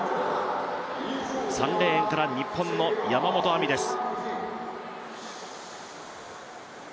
３レーンから日本の山本亜美です。